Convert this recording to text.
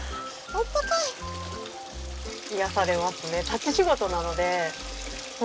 癒やされますね。